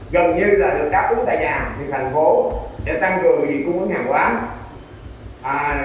gần như là được đáp ứng tại nhà thì thành phố sẽ tăng cường gì cũng có ngàn quả